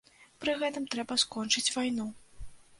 Пры гэтым трэба скончыць вайну.